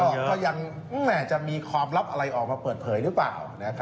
ก็ยังจะมีความลับอะไรออกมาเปิดเผยหรือเปล่า